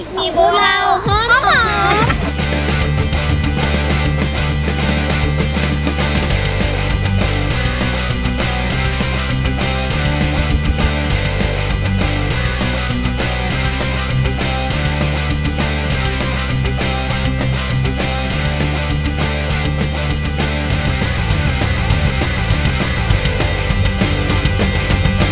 หมี่บูราวขอบคุณค่ะ